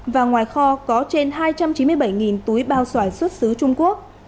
và ngoài kho có trên hai trăm chín mươi bảy túi bao xoài xuất xứ trung quốc